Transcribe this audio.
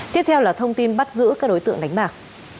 tiếp theo là thông tin bắt giữ các đối tượng đánh bạc